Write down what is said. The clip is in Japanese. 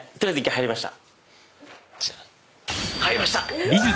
入りました。